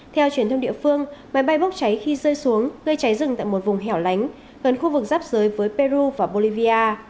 theo truyền thông địa phương máy bay bốc cháy khi rơi xuống gây cháy rừng tại một vùng hẻo lánh gần khu vực giáp giới với peru và bolivia